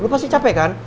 lu pasti capek kan